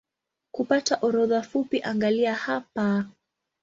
Kupata orodha fupi angalia hapa